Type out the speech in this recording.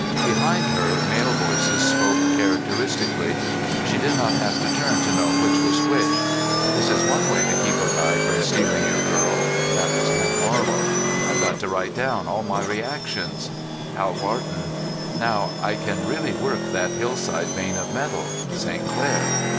Behind her, male voices spoke characteristically. She did not have to turn to know which was which: "This is one way to keep a guy from stealing your girl," that was Len Marlow; "I've got to write down all my reactions," Hal Barton; "Now I can really work that hillside vein of metal," St. Clair.